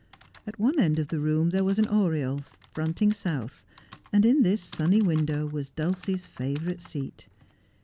At one end of the room there was an oriel, fronting south, and in this sunny window was Dulcie's favourite seat.